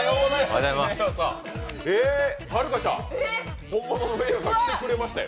はるかちゃん、本物のｍｅｉｙｏさん来てくれましたよ。